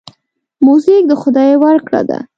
موزیک د خدای ورکړه ده.